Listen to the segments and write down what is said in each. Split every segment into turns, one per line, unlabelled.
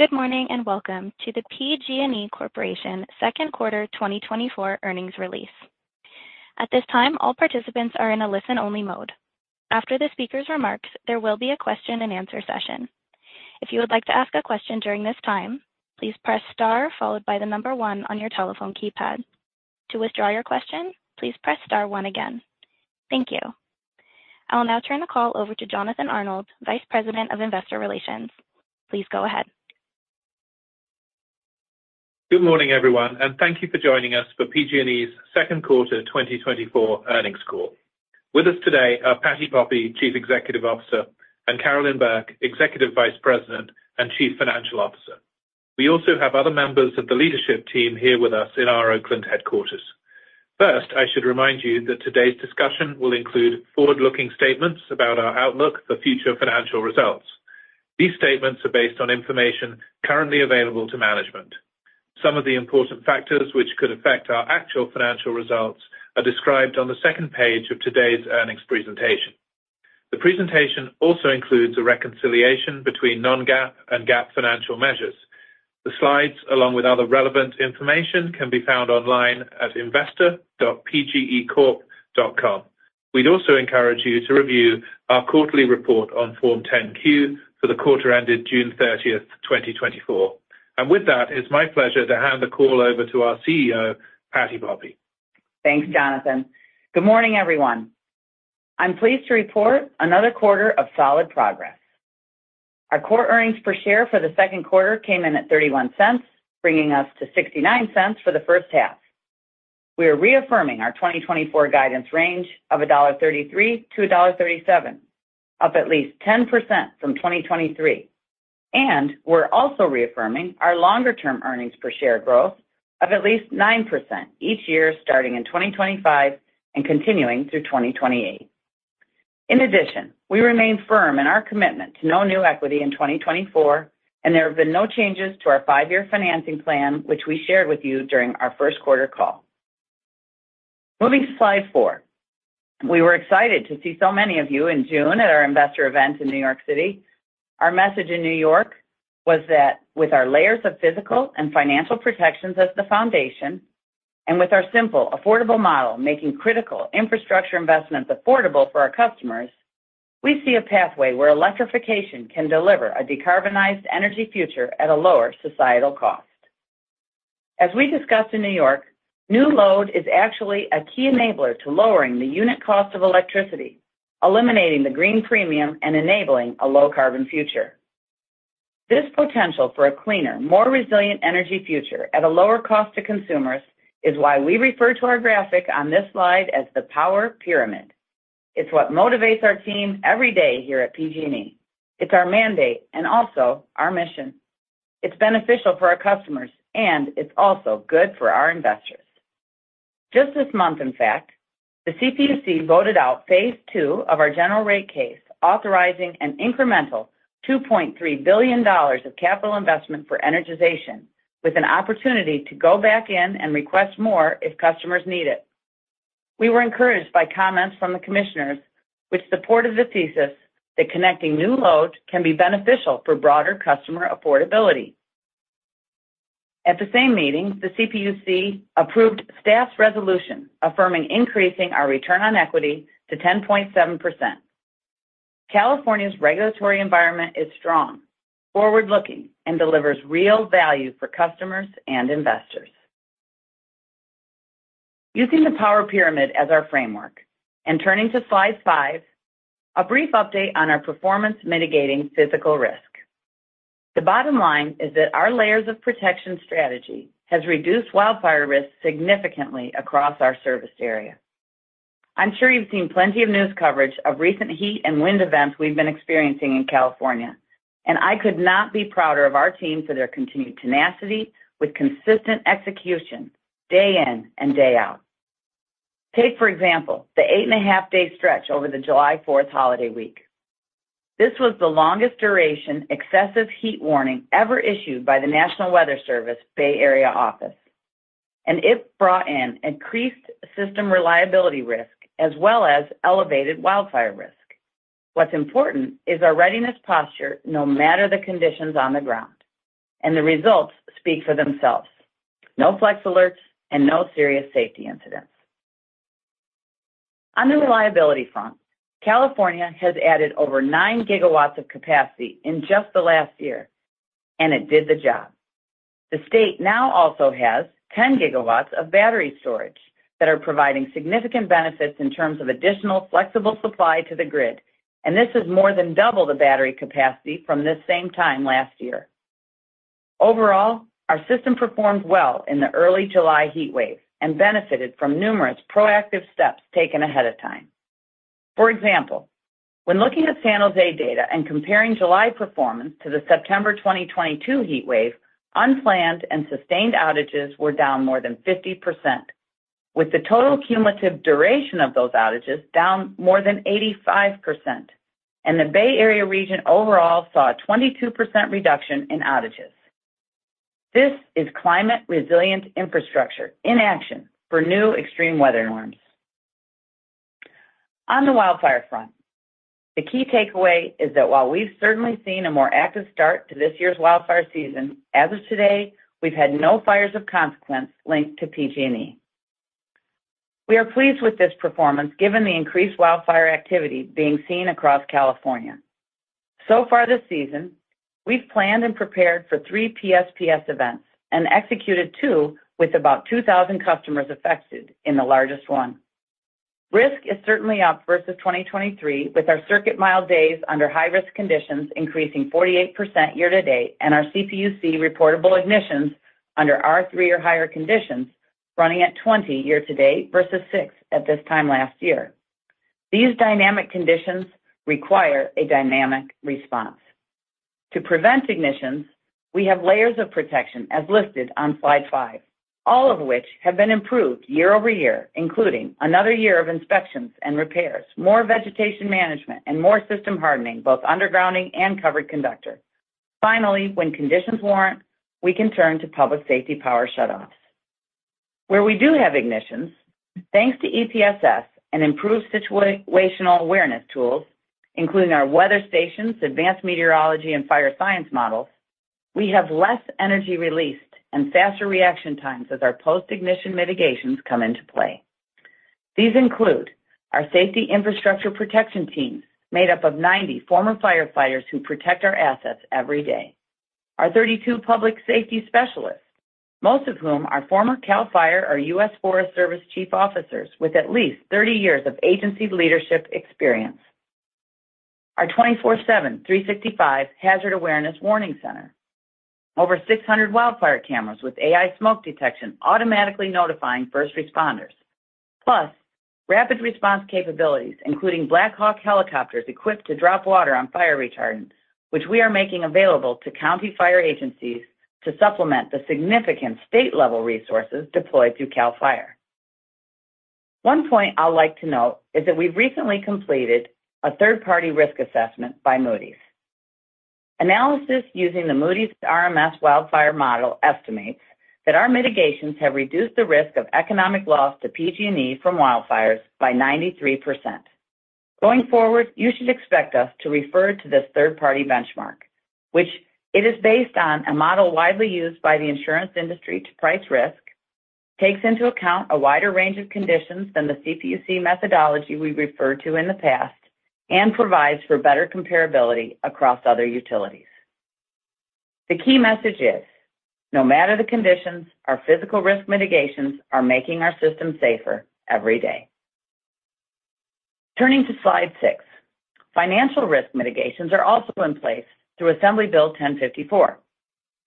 Good morning and welcome to the PG&E Corporation Second Quarter 2024 Earnings Release. At this time, all participants are in a listen-only mode. After the speaker's remarks, there will be a question-and-answer session. If you would like to ask a question during this time, please press star followed by the number one on your telephone keypad. To withdraw your question, please press star one again. Thank you. I will now turn the call over to Jonathan Arnold, Vice President of Investor Relations. Please go ahead.
Good morning, everyone, and thank you for joining us for PG&E's Second Quarter 2024 Earnings Call. With us today are Patti Poppe, Chief Executive Officer, and Carolyn Burke, Executive Vice President and Chief Financial Officer. We also have other members of the leadership team here with us in our Oakland headquarters. First, I should remind you that today's discussion will include forward-looking statements about our outlook for future financial results. These statements are based on information currently available to management. Some of the important factors which could affect our actual financial results are described on the second page of today's earnings presentation. The presentation also includes a reconciliation between non-GAAP and GAAP financial measures. The slides, along with other relevant information, can be found online at investor.pgecorp.com. We'd also encourage you to review our quarterly report on Form 10-Q for the quarter ended June 30th, 2024. With that, it's my pleasure to hand the call over to our CEO, Patti Poppe.
Thanks, Jonathan. Good morning, everyone. I'm pleased to report another quarter of solid progress. Our core earnings per share for the second quarter came in at $0.31, bringing us to $0.69 for the first half. We are reaffirming our 2024 guidance range of $1.33-$1.37, up at least 10% from 2023. We're also reaffirming our longer-term earnings per share growth of at least 9% each year, starting in 2025 and continuing through 2028. In addition, we remain firm in our commitment to no new equity in 2024, and there have been no changes to our five-year financing plan, which we shared with you during our first quarter call. Moving to slide 4, we were excited to see so many of you in June at our investor event in New York City. Our message in New York was that with our layers of physical and financial protections as the foundation, and with our Simple Affordable Model making critical infrastructure investments affordable for our customers, we see a pathway where electrification can deliver a decarbonized energy future at a lower societal cost. As we discussed in New York, new load is actually a key enabler to lowering the unit cost of electricity, eliminating the green premium, and enabling a low-carbon future. This potential for a cleaner, more resilient energy future at a lower cost to consumers is why we refer to our graphic on this slide as the Power Pyramid. It's what motivates our team every day here at PG&E. It's our mandate and also our mission. It's beneficial for our customers, and it's also good for our investors. Just this month, in fact, the CPUC voted out phase two of our General Rate Case, authorizing an incremental $2.3 billion of capital investment for energization, with an opportunity to go back in and request more if customers need it. We were encouraged by comments from the commissioners, which supported the thesis that connecting new load can be beneficial for broader customer affordability. At the same meeting, the CPUC approved Staff's resolution affirming increasing our return on equity to 10.7%. California's regulatory environment is strong, forward-looking, and delivers real value for customers and investors. Using the Power Pyramid as our framework and turning to slide 5, a brief update on our performance mitigating physical risk. The bottom line is that our layers of protection strategy has reduced wildfire risk significantly across our service area. I'm sure you've seen plenty of news coverage of recent heat and wind events we've been experiencing in California, and I could not be prouder of our team for their continued tenacity with consistent execution day in and day out. Take, for example, the 8.5-day stretch over the July 4th holiday week. This was the longest duration excessive heat warning ever issued by the National Weather Service Bay Area office, and it brought in increased system reliability risk as well as elevated wildfire risk. What's important is our readiness posture no matter the conditions on the ground, and the results speak for themselves. No Flex Alerts and no serious safety incidents. On the reliability front, California has added over 9 GW of capacity in just the last year, and it did the job. The state now also has 10 GW of battery storage that are providing significant benefits in terms of additional flexible supply to the grid, and this is more than double the battery capacity from this same time last year. Overall, our system performed well in the early July heat wave and benefited from numerous proactive steps taken ahead of time. For example, when looking at San Jose data and comparing July performance to the September 2022 heat wave, unplanned and sustained outages were down more than 50%, with the total cumulative duration of those outages down more than 85%, and the Bay Area region overall saw a 22% reduction in outages. This is climate-resilient infrastructure in action for new extreme weather norms. On the wildfire front, the key takeaway is that while we've certainly seen a more active start to this year's wildfire season, as of today, we've had no fires of consequence linked to PG&E. We are pleased with this performance given the increased wildfire activity being seen across California. So far this season, we've planned and prepared for 3 PSPS events and executed 2 with about 2,000 customers affected in the largest one. Risk is certainly up versus 2023, with our circuit mile days under high-risk conditions increasing 48% year to date, and our CPUC reportable ignitions under R3 or higher conditions running at 20 year to date versus 6 at this time last year. These dynamic conditions require a dynamic response. To prevent ignitions, we have layers of protection as listed on slide 5, all of which have been improved year-over-year, including another year of inspections and repairs, more vegetation management, and more system hardening, both undergrounding and covered conductor. Finally, when conditions warrant, we can turn to public safety power shutoffs. Where we do have ignitions, thanks to EPSS and improved situational awareness tools, including our weather stations, advanced meteorology, and fire science models, we have less energy released and faster reaction times as our post-ignition mitigations come into play. These include our Safety Infrastructure Protection Teams made up of 90 former firefighters who protect our assets every day, our 32 public safety specialists, most of whom are former CAL FIRE or U.S. Forest Service chief officers with at least 30 years of agency leadership experience, our 24/7 365 Hazard Awareness Warning Center, over 600 wildfire cameras with AI smoke detection automatically notifying first responders, plus rapid response capabilities, including Black Hawk helicopters equipped to drop water on fire retardants, which we are making available to county fire agencies to supplement the significant state-level resources deployed through CAL FIRE. One point I'd like to note is that we've recently completed a third-party risk assessment by Moody's. Analysis using the Moody's RMS wildfire model estimates that our mitigations have reduced the risk of economic loss to PG&E from wildfires by 93%. Going forward, you should expect us to refer to this third-party benchmark, which is based on a model widely used by the insurance industry to price risk, takes into account a wider range of conditions than the CPUC methodology we referred to in the past, and provides for better comparability across other utilities. The key message is, no matter the conditions, our physical risk mitigations are making our system safer every day. Turning to slide 6, financial risk mitigations are also in place through Assembly Bill 1054.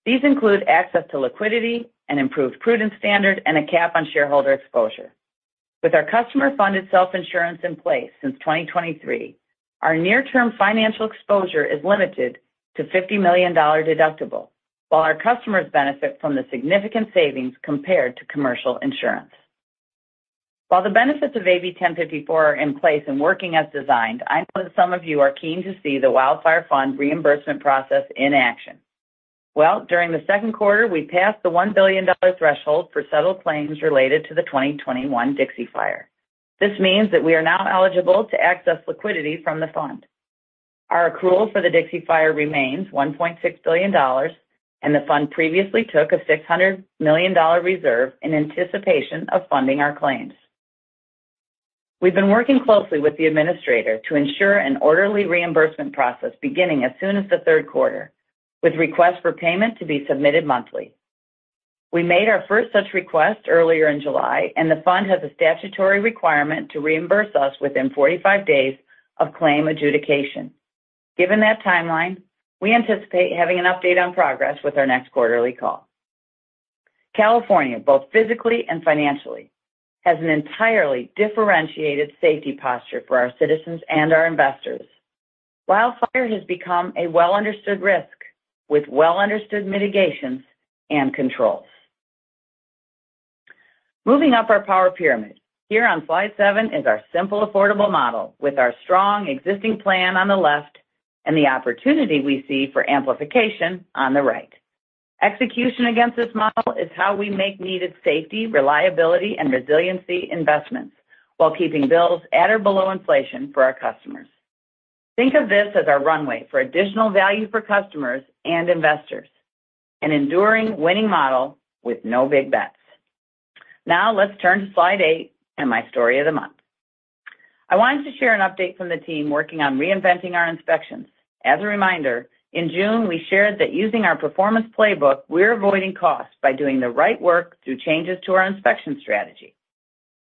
These include access to liquidity and improved prudence standard and a cap on shareholder exposure. With our customer-funded self-insurance in place since 2023, our near-term financial exposure is limited to $50 million deductible, while our customers benefit from the significant savings compared to commercial insurance. While the benefits of AB 1054 are in place and working as designed, I know that some of you are keen to see the Wildfire Fund reimbursement process in action. Well, during the second quarter, we passed the $1 billion threshold for settled claims related to the 2021 Dixie Fire. This means that we are now eligible to access liquidity from the fund. Our accrual for the Dixie Fire remains $1.6 billion, and the fund previously took a $600 million reserve in anticipation of funding our claims. We've been working closely with the administrator to ensure an orderly reimbursement process beginning as soon as the third quarter, with requests for payment to be submitted monthly. We made our first such request earlier in July, and the fund has a statutory requirement to reimburse us within 45 days of claim adjudication. Given that timeline, we anticipate having an update on progress with our next quarterly call. California, both physically and financially, has an entirely differentiated safety posture for our citizens and our investors. Wildfire has become a well-understood risk with well-understood mitigations and controls. Moving up our Power Pyramid, here on slide seven is our simple affordable model with our strong existing plan on the left and the opportunity we see for amplification on the right. Execution against this model is how we make needed safety, reliability, and resiliency investments while keeping bills at or below inflation for our customers. Think of this as our runway for additional value for customers and investors, an enduring winning model with no big bets. Now let's turn to slide eight and my story of the month. I wanted to share an update from the team working on reinventing our inspections. As a reminder, in June, we shared that using our Performance Playbook, we're avoiding costs by doing the right work through changes to our inspection strategy.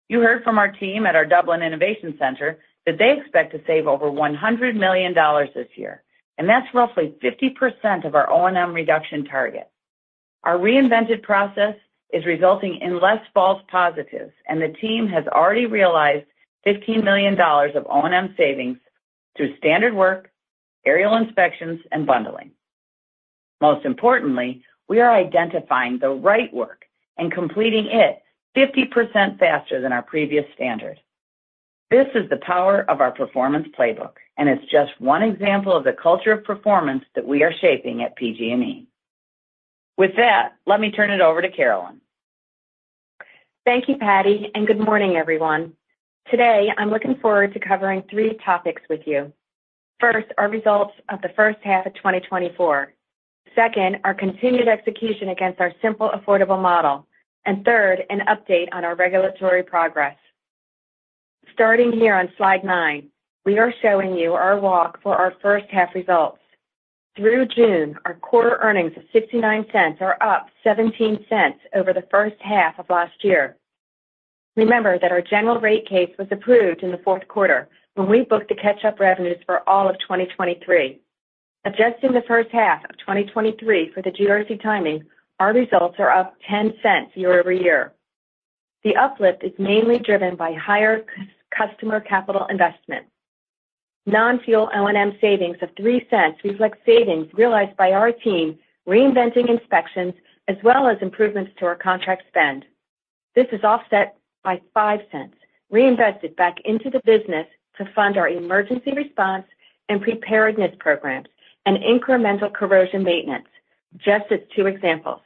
You heard from our team at our Dublin Innovation Center that they expect to save over $100 million this year, and that's roughly 50% of our O&M reduction target. Our reinvented process is resulting in less false positives, and the team has already realized $15 million of O&M savings through standard work, aerial inspections, and bundling. Most importantly, we are identifying the right work and completing it 50% faster than our previous standard. This is the power of our Performance Playbook, and it's just one example of the culture of performance that we are shaping at PG&E. With that, let me turn it over to Carolyn.
Thank you, Patti, and good morning, everyone. Today, I'm looking forward to covering three topics with you. First, our results of the first half of 2024. Second, our continued execution against our simple affordable model. And third, an update on our regulatory progress. Starting here on slide 9, we are showing you our walk for our first half results. Through June, our quarter earnings of $0.69 are up $0.17 over the first half of last year. Remember that our general rate case was approved in the fourth quarter when we booked the catch-up revenues for all of 2023. Adjusting the first half of 2023 for the GRC timing, our results are up $0.10 year-over-year. The uplift is mainly driven by higher customer capital investments. Non-fuel O&M savings of $0.03 reflect savings realized by our team reinventing inspections as well as improvements to our contract spend. This is offset by $0.05 reinvested back into the business to fund our emergency response and preparedness programs and incremental corrosion maintenance. Just as two examples.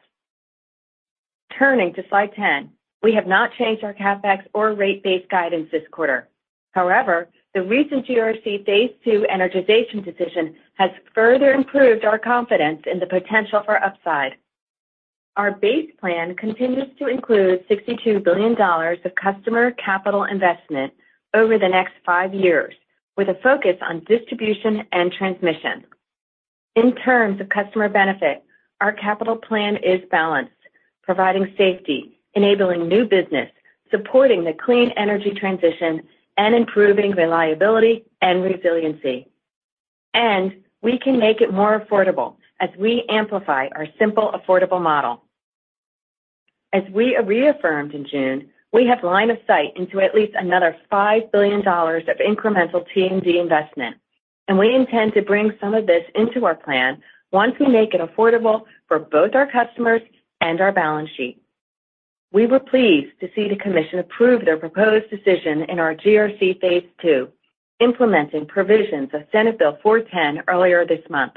Turning to slide 10, we have not changed our CapEx or rate base guidance this quarter. However, the recent GRC phase two energization decision has further improved our confidence in the potential for upside. Our base plan continues to include $62 billion of customer capital investment over the next 5 years, with a focus on distribution and transmission. In terms of customer benefit, our capital plan is balanced, providing safety, enabling new business, supporting the clean energy transition, and improving reliability and resiliency. And we can make it more affordable as we amplify our simple affordable model. As we reaffirmed in June, we have line of sight into at least another $5 billion of incremental T&D investment, and we intend to bring some of this into our plan once we make it affordable for both our customers and our balance sheet. We were pleased to see the commission approve their proposed decision in our GRC phase two, implementing provisions of Senate Bill 410 earlier this month.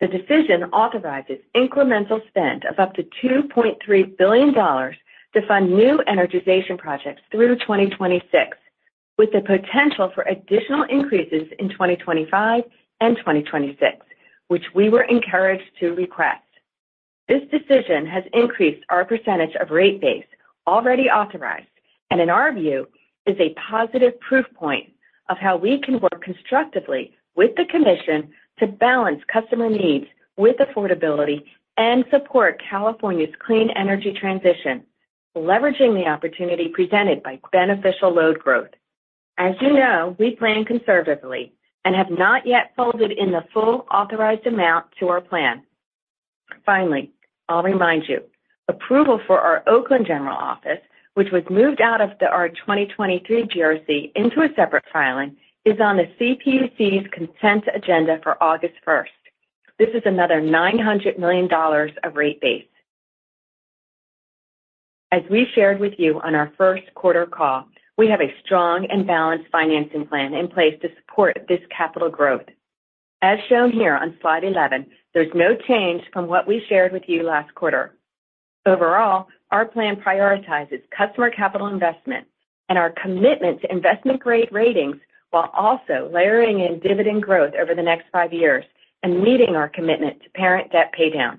The decision authorizes incremental spend of up to $2.3 billion to fund new energization projects through 2026, with the potential for additional increases in 2025 and 2026, which we were encouraged to request. This decision has increased our percentage of rate base already authorized and, in our view, is a positive proof point of how we can work constructively with the commission to balance customer needs with affordability and support California's clean energy transition, leveraging the opportunity presented by beneficial load growth. As you know, we plan conservatively and have not yet folded in the full authorized amount to our plan. Finally, I'll remind you, approval for our Oakland General Office, which was moved out of our 2023 GRC into a separate filing, is on the CPUC's consent agenda for August 1st. This is another $900 million of rate base. As we shared with you on our first quarter call, we have a strong and balanced financing plan in place to support this capital growth. As shown here on slide 11, there's no change from what we shared with you last quarter. Overall, our plan prioritizes customer capital investment and our commitment to investment grade ratings while also layering in dividend growth over the next five years and meeting our commitment to parent debt paydown.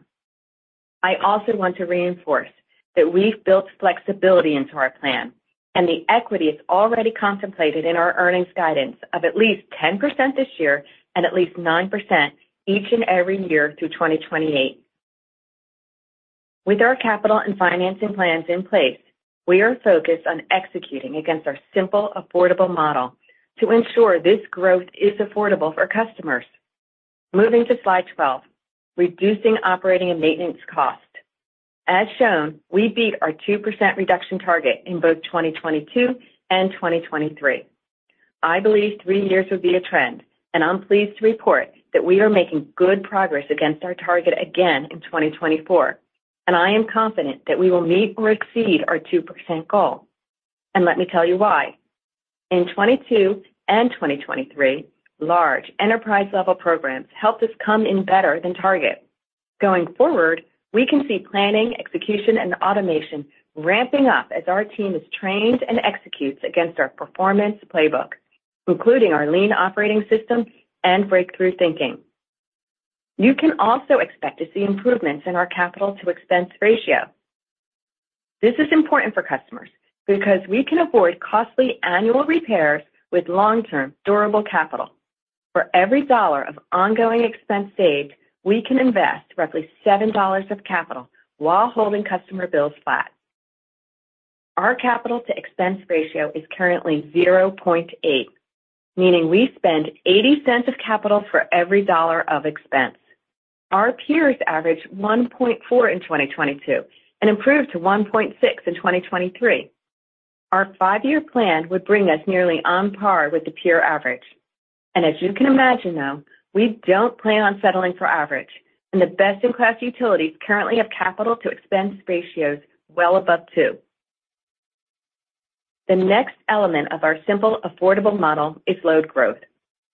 I also want to reinforce that we've built flexibility into our plan, and the equity is already contemplated in our earnings guidance of at least 10% this year and at least 9% each and every year through 2028. With our capital and financing plans in place, we are focused on executing against our simple affordable model to ensure this growth is affordable for customers. Moving to slide 12, reducing operating and maintenance cost. As shown, we beat our 2% reduction target in both 2022 and 2023. I believe three years would be a trend, and I'm pleased to report that we are making good progress against our target again in 2024, and I am confident that we will meet or exceed our 2% goal. Let me tell you why. In 2022 and 2023, large enterprise-level programs helped us come in better than target. Going forward, we can see planning, execution, and automation ramping up as our team is trained and executes against our Performance Playbook, including our Lean Operating System and breakthrough thinking. You can also expect to see improvements in our Capital to Expense Ratio. This is important for customers because we can afford costly annual repairs with long-term durable capital. For every dollar of ongoing expense saved, we can invest roughly $7 of capital while holding customer bills flat. Our capital to expense ratio is currently 0.8, meaning we spend $0.80 of capital for every $1 of expense. Our peers averaged 1.4 in 2022 and improved to 1.6 in 2023. Our five-year plan would bring us nearly on par with the peer average. As you can imagine, though, we don't plan on settling for average, and the best-in-class utilities currently have capital to expense ratios well above two. The next element of our simple affordable model is load growth.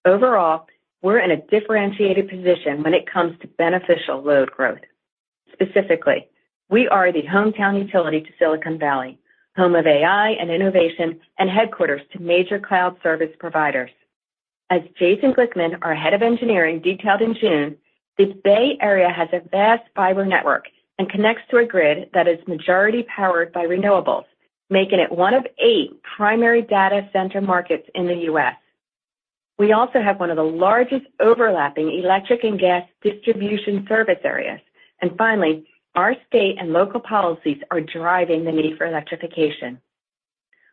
Overall, we're in a differentiated position when it comes to beneficial load growth. Specifically, we are the hometown utility to Silicon Valley, home of AI and innovation, and headquarters to major cloud service providers. As Jason Glickman, our head of engineering, detailed in June, the Bay Area has a vast fiber network and connects to a grid that is majority powered by renewables, making it one of eight primary data center markets in the U.S. We also have one of the largest overlapping electric and gas distribution service areas. Finally, our state and local policies are driving the need for electrification.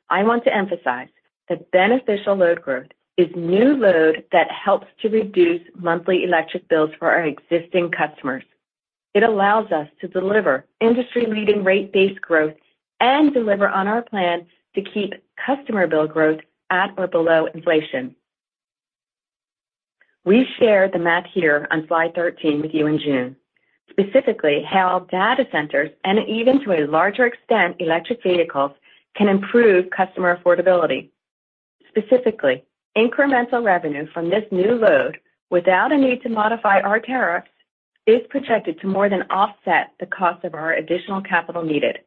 I want to emphasize that beneficial load growth is new load that helps to reduce monthly electric bills for our existing customers. It allows us to deliver industry-leading rate-based growth and deliver on our plan to keep customer bill growth at or below inflation. We shared the map here on slide 13 with you in June, specifically how data centers and even to a larger extent electric vehicles can improve customer affordability. Specifically, incremental revenue from this new load without a need to modify our tariffs is projected to more than offset the cost of our additional capital needed.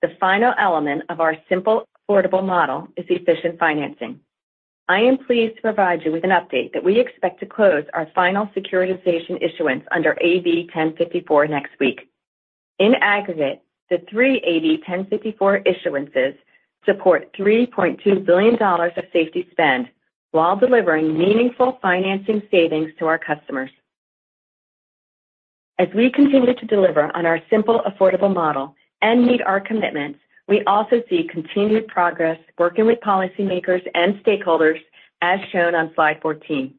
The final element of our simple affordable model is efficient financing. I am pleased to provide you with an update that we expect to close our final securitization issuance under AB 1054 next week. In aggregate, the three AB 1054 issuances support $3.2 billion of safety spend while delivering meaningful financing savings to our customers. As we continue to deliver on our simple affordable model and meet our commitments, we also see continued progress working with policymakers and stakeholders, as shown on slide 14.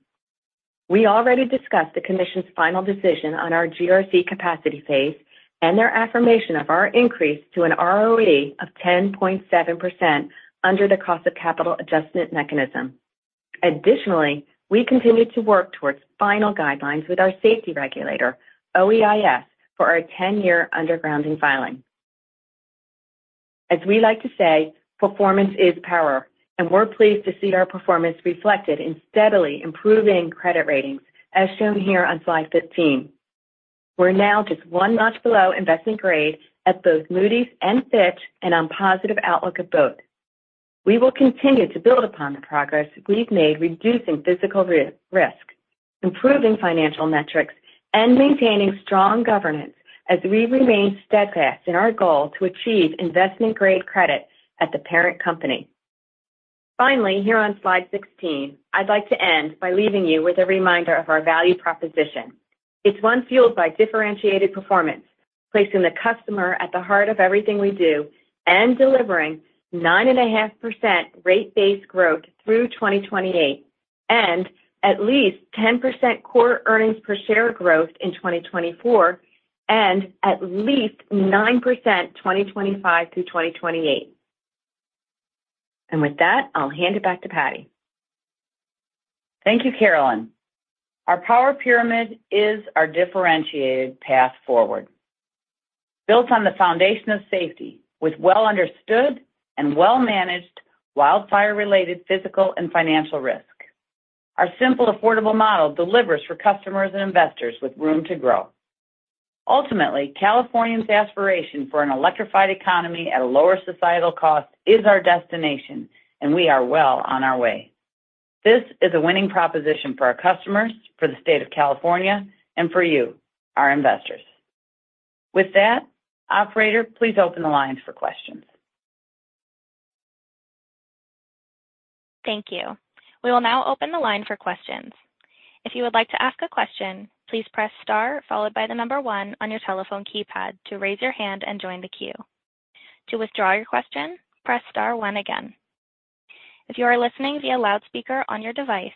We already discussed the commission's final decision on our GRC capacity phase and their affirmation of our increase to an ROE of 10.7% under the cost of capital adjustment mechanism. Additionally, we continue to work towards final guidelines with our safety regulator, OEIS, for our 10-year undergrounding filing. As we like to say, performance is power, and we're pleased to see our performance reflected in steadily improving credit ratings, as shown here on slide 15. We're now just one notch below investment grade at both Moody's and Fitch, and on positive outlook of both. We will continue to build upon the progress we've made reducing physical risk, improving financial metrics, and maintaining strong governance as we remain steadfast in our goal to achieve investment-grade credit at the parent company. Finally, here on slide 16, I'd like to end by leaving you with a reminder of our value proposition. It's one fueled by differentiated performance, placing the customer at the heart of everything we do and delivering 9.5% rate-based growth through 2028, and at least 10% core earnings per share growth in 2024, and at least 9% 2025 through 2028. With that, I'll hand it back to Patti.
Thank you, Carolyn. Our Power Pyramid is our differentiated path forward, built on the foundation of safety with well-understood and well-managed wildfire-related physical and financial risk. Our Simple Affordable Model delivers for customers and investors with room to grow. Ultimately, Californians' aspiration for an electrified economy at a lower societal cost is our destination, and we are well on our way. This is a winning proposition for our customers, for the state of California, and for you, our investors. With that, operator, please open the lines for questions.
Thank you. We will now open the line for questions. If you would like to ask a question, please press star followed by the number one on your telephone keypad to raise your hand and join the queue. To withdraw your question, press star one again. If you are listening via loudspeaker on your device,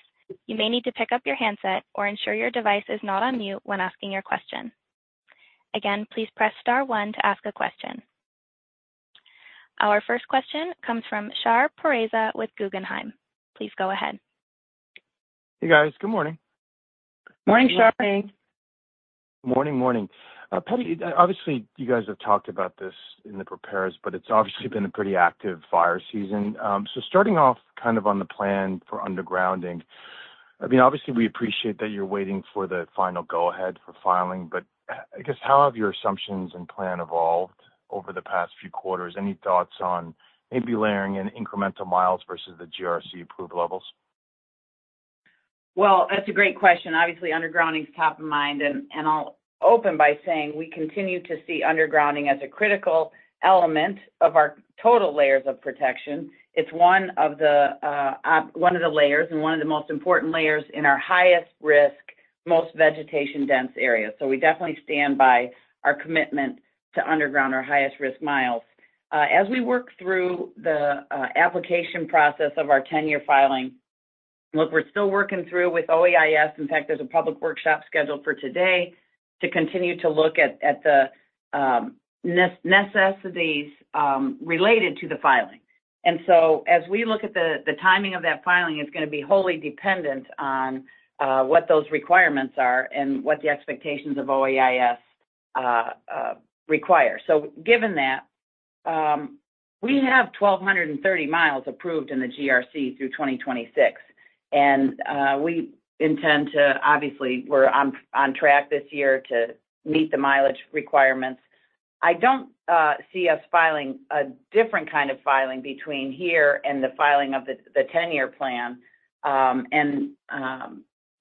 you may need to pick up your handset or ensure your device is not on mute when asking your question. Again, please press star one to ask a question. Our first question comes from Shar Pourreza with Guggenheim. Please go ahead.
Hey, guys. Good morning.
Morning, Shahriar.
Morning. Morning. Patti, obviously, you guys have talked about this in the prepared remarks, but it's obviously been a pretty active fire season. So starting off kind of on the plan for undergrounding, I mean, obviously, we appreciate that you're waiting for the final go-ahead for filing, but I guess how have your assumptions and plan evolved over the past few quarters? Any thoughts on maybe layering in incremental miles versus the GRC approval levels?
Well, that's a great question. Obviously, undergrounding is top of mind, and I'll open by saying we continue to see undergrounding as a critical element of our total layers of protection. It's one of the layers and one of the most important layers in our highest risk, most vegetation-dense areas. So we definitely stand by our commitment to underground our highest risk miles. As we work through the application process of our 10-year filing, look, we're still working through with OEIS. In fact, there's a public workshop scheduled for today to continue to look at the necessities related to the filing. So as we look at the timing of that filing, it's going to be wholly dependent on what those requirements are and what the expectations of OEIS require. So given that, we have 1,230 mi approved in the GRC through 2026, and we intend to, obviously, we're on track this year to meet the mileage requirements. I don't see us filing a different kind of filing between here and the filing of the 10-year plan.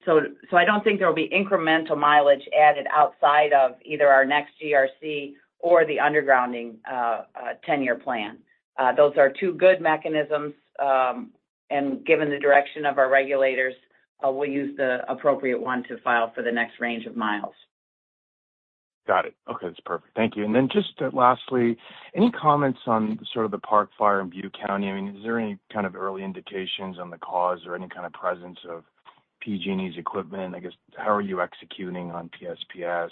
So I don't think there will be incremental mileage added outside of either our next GRC or the undergrounding 10-year plan. Those are two good mechanisms, and given the direction of our regulators, we'll use the appropriate one to file for the next range of miles.
Got it. Okay. That's perfect. Thank you. And then just lastly, any comments on sort of the Park Fire in Butte County? I mean, is there any kind of early indications on the cause or any kind of presence of PG&E's equipment? I guess, how are you executing on PSPS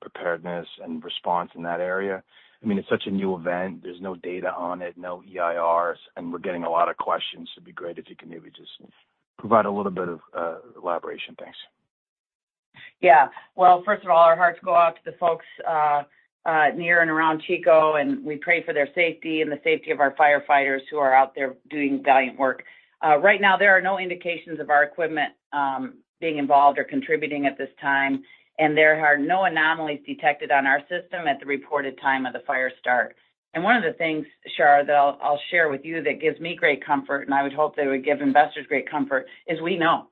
preparedness and response in that area? I mean, it's such a new event. There's no data on it, no EIRs, and we're getting a lot of questions. It'd be great if you could maybe just provide a little bit of elaboration. Thanks.
Yeah. Well, first of all, our hearts go out to the folks near and around Chico, and we pray for their safety and the safety of our firefighters who are out there doing valiant work. Right now, there are no indications of our equipment being involved or contributing at this time, and there are no anomalies detected on our system at the reported time of the fire start. One of the things, Shar, that I'll share with you that gives me great comfort, and I would hope that it would give investors great comfort, is we know.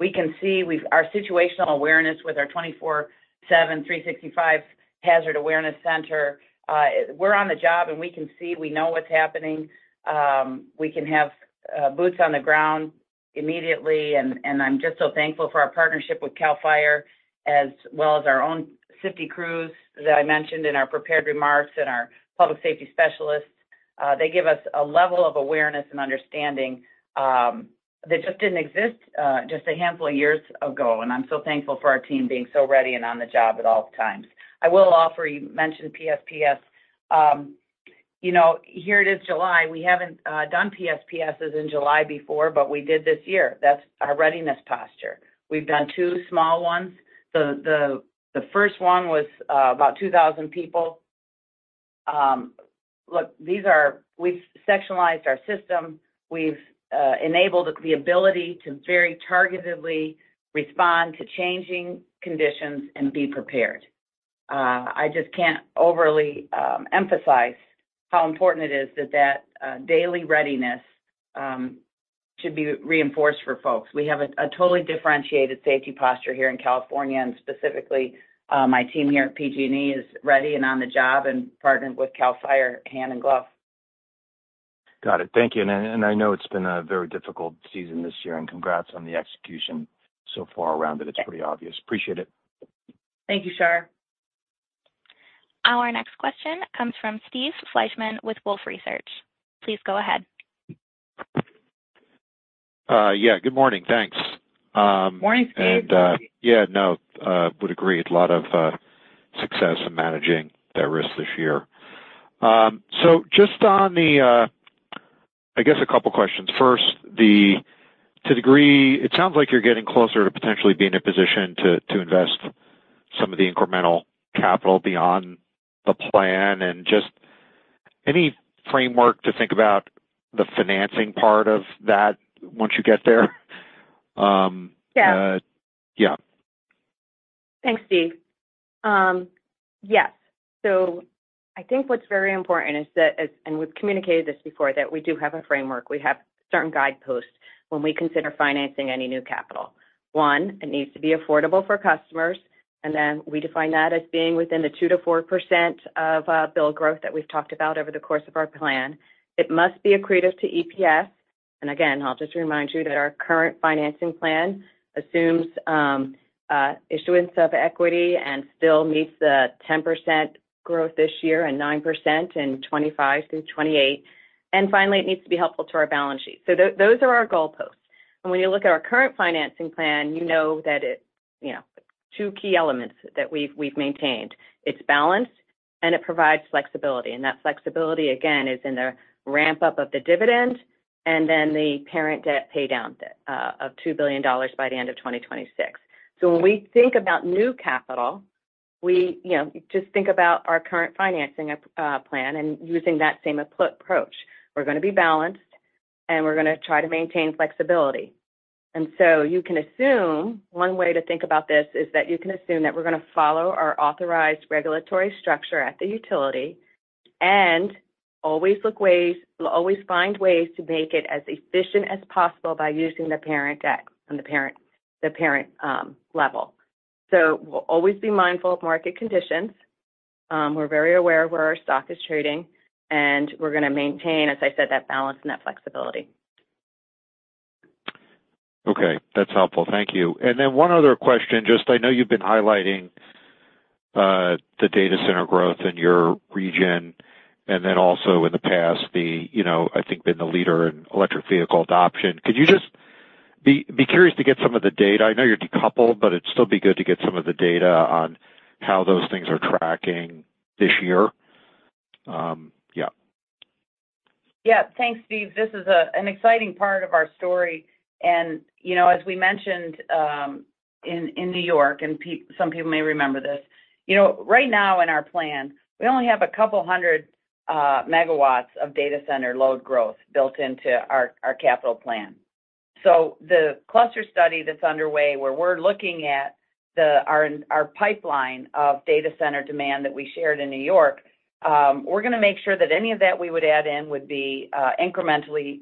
We can see our situational awareness with our 24/7 365 hazard awareness center. We're on the job, and we can see we know what's happening. We can have boots on the ground immediately, and I'm just so thankful for our partnership with CAL FIRE as well as our own safety crews that I mentioned in our prepared remarks and our public safety specialists. They give us a level of awareness and understanding that just didn't exist just a handful of years ago, and I'm so thankful for our team being so ready and on the job at all times. I will offer you mentioned PSPS. Here it is, July. We haven't done PSPSs in July before, but we did this year. That's our readiness posture. We've done 2 small ones. The first one was about 2,000 people. Look, we've sectionalized our system. We've enabled the ability to very targetedly respond to changing conditions and be prepared. I just can't overly emphasize how important it is that that daily readiness should be reinforced for folks. We have a totally differentiated safety posture here in California, and specifically, my team here at PG&E is ready and on the job and partnered with CAL FIRE, hand and glove.
Got it. Thank you. I know it's been a very difficult season this year, and congrats on the execution so far around it. It's pretty obvious. Appreciate it.
Thank you, Shar.
Our next question comes from Steve Fleishman with Wolfe Research. Please go ahead.
Yeah. Good morning. Thanks.
Morning, Steve.
Yeah, no, I would agree. It's a lot of success in managing that risk this year. So just on the, I guess, a couple of questions. First, to a degree, it sounds like you're getting closer to potentially being in a position to invest some of the incremental capital beyond the plan. And just any framework to think about the financing part of that once you get there? Yeah.
Yeah. Thanks, Steve. Yes. So I think what's very important is that, and we've communicated this before, that we do have a framework. We have certain guideposts when we consider financing any new capital. One, it needs to be affordable for customers, and then we define that as being within the 2%-4% of bill growth that we've talked about over the course of our plan. It must be accretive to EPS. And again, I'll just remind you that our current financing plan assumes issuance of equity and still meets the 10% growth this year and 9% in 2025 through 2028. And finally, it needs to be helpful to our balance sheet. So those are our goalposts. And when you look at our current financing plan, you know that it's two key elements that we've maintained. It's balanced, and it provides flexibility. And that flexibility, again, is in the ramp-up of the dividend and then the parent debt paydown of $2 billion by the end of 2026. So when we think about new capital, we just think about our current financing plan and using that same approach. We're going to be balanced, and we're going to try to maintain flexibility. And so you can assume one way to think about this is that you can assume that we're going to follow our authorized regulatory structure at the utility and always find ways to make it as efficient as possible by using the parent debt on the parent level. So we'll always be mindful of market conditions. We're very aware of where our stock is trading, and we're going to maintain, as I said, that balance and that flexibility.
Okay. That's helpful. Thank you. And then one other question. Just, I know you've been highlighting the data center growth in your region and then also in the past, I think, been the leader in electric vehicle adoption. Could you just be curious to get some of the data? I know you're decoupled, but it'd still be good to get some of the data on how those things are tracking this year. Yeah.
Yeah. Thanks, Steve. This is an exciting part of our story. And as we mentioned in New York, and some people may remember this, right now in our plan, we only have 200 MW of data center load growth built into our capital plan. So the cluster study that's underway, where we're looking at our pipeline of data center demand that we shared in New York, we're going to make sure that any of that we would add in would be incrementally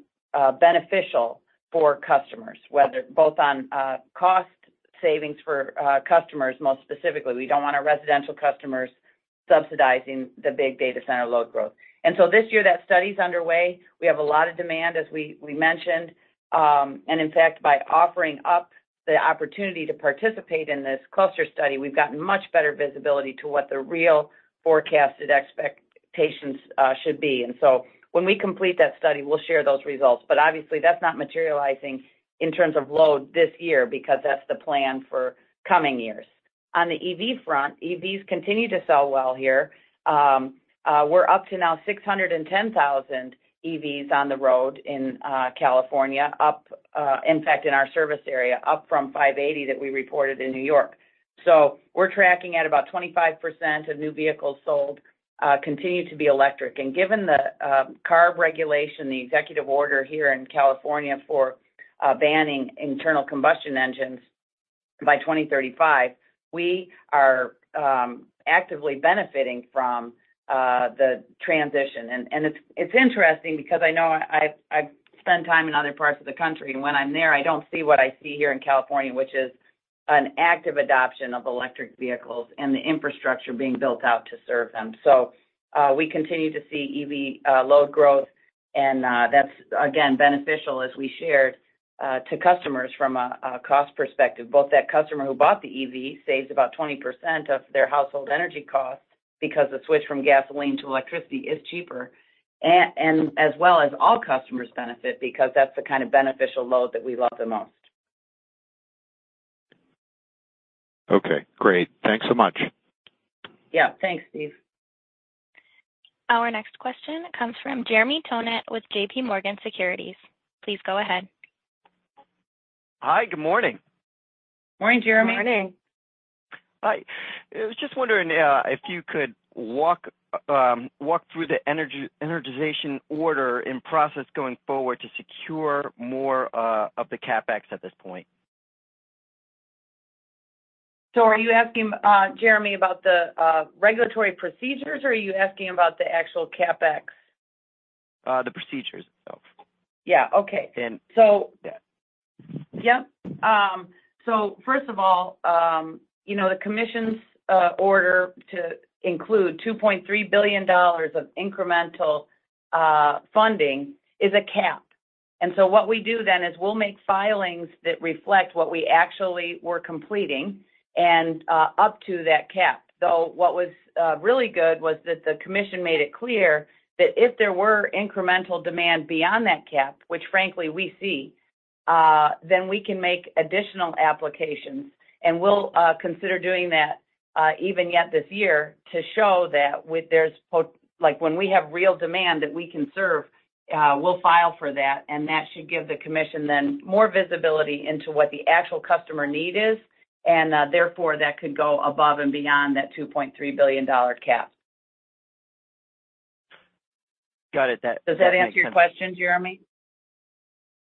beneficial for customers, both on cost savings for customers most specifically. We don't want our residential customers subsidizing the big data center load growth. So this year, that study is underway. We have a lot of demand, as we mentioned. And in fact, by offering up the opportunity to participate in this cluster study, we've gotten much better visibility to what the real forecasted expectations should be. And so when we complete that study, we'll share those results. But obviously, that's not materializing in terms of load this year because that's the plan for coming years. On the EV front, EVs continue to sell well here. We're up to now 610,000 EVs on the road in California, in fact, in our service area, up from 580 that we reported in New York. So we're tracking at about 25% of new vehicles sold continue to be electric. And given the CARB regulation, the executive order here in California for banning internal combustion engines by 2035, we are actively benefiting from the transition. It's interesting because I know I've spent time in other parts of the country, and when I'm there, I don't see what I see here in California, which is an active adoption of electric vehicles and the infrastructure being built out to serve them. We continue to see EV load growth, and that's, again, beneficial, as we shared, to customers from a cost perspective. Both that customer who bought the EV saves about 20% of their household energy costs because the switch from gasoline to electricity is cheaper, as well as all customers benefit because that's the kind of beneficial load that we love the most.
Okay. Great. Thanks so much.
Yeah. Thanks, Steve.
Our next question comes from Jeremy Tonet with J.P. Morgan. Please go ahead.
Hi. Good morning.
Morning, Jeremy. Morning.
Hi. I was just wondering if you could walk through the energization order and process going forward to secure more of the CapEx at this point.
So are you asking Jeremy about the regulatory procedures, or are you asking about the actual CapEx?
The procedures.
So first of all, the commission's order to include $2.3 billion of incremental funding is a cap. What we do then is we'll make filings that reflect what we actually were completing and up to that cap. Though what was really good was that the commission made it clear that if there were incremental demand beyond that cap, which frankly we see, then we can make additional applications. We'll consider doing that even yet this year to show that when we have real demand that we can serve, we'll file for that, and that should give the commission then more visibility into what the actual customer need is. And therefore, that could go above and beyond that $2.3 billion cap.
Got it. That's very helpful.
Does that answer your question, Jeremy?